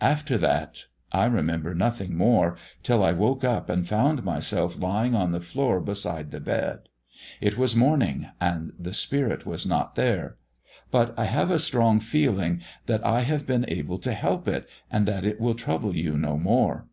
"After that I remember nothing more, till I woke up and found myself lying on the floor beside the bed. It was morning, and the spirit was not there; but I have a strong feeling that I have been able to help it, and that it will trouble you no more.